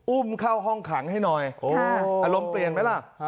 อุ้มเข้าห้องขังให้หน่อยอารมณ์เปลี่ยนไหมล่ะ